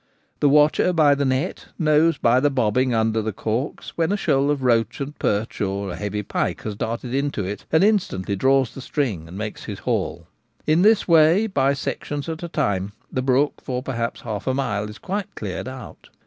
The watcher by the net knows by the bobbing under of the corks when a shoal of roach and perch, or a heavy pike, has darted into it, and instantly draws the string and makes his haul In this way, by sections at a time, the brook, perhaps for half a mile, is quite cleared out.